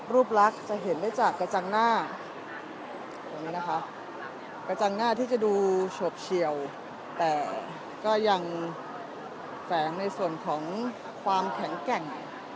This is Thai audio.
รูปลักษณ์จะเห็นได้จากกระจังหน้าที่จะดูชบเชียวแต่ก็ยังแสงในส่วนของความแข็งแก่ง